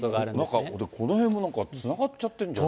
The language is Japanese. なんかこの辺もつながっちゃってるじゃない。